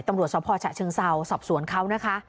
ตำรวจสภฉะเชิงเซาสอบสวนเขานะคะ